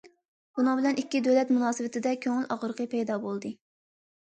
بۇنىڭ بىلەن ئىككى دۆلەت مۇناسىۋىتىدە كۆڭۈل ئاغرىقى پەيدا بولدى.